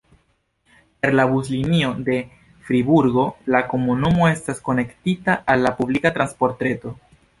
Per la buslinio de Friburgo la komunumo estas konektita al la publika transportreto.